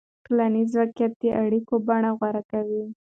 ټولنیز واقعیت د اړیکو بڼه غوره کوي.